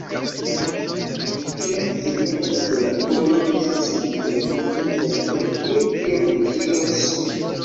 Kion signifas ke la kodo estos malfermita, kaj por kio tio utilos?